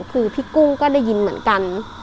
คือพี่กุ้งก็ได้ยินเหมือนกัน